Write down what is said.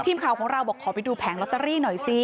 ทีมข่าวของเราบอกขอไปดูแผงลอตเตอรี่หน่อยสิ